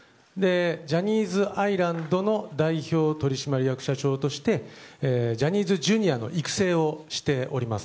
ジャニーズアイランドの代表取締役社長としてジャニーズＪｒ．の育成をしております。